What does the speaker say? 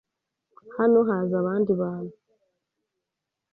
Hano haza abandi bantu.